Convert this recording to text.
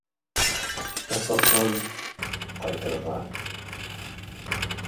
Ә ҡасан... ҡайтырға?